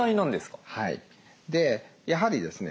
でやはりですね